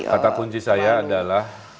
kata kunci saya adalah